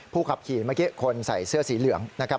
ขับขี่เมื่อกี้คนใส่เสื้อสีเหลืองนะครับ